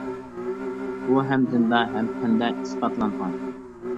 بۇ ھەم دىندا ھەم پەندە ئىسپاتلانغان!